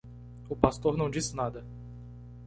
O pastor não disse nada.